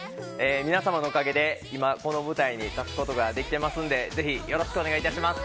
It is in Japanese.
皆様のおかげで今この舞台に立つことができていますのでぜひよろしくお願いします。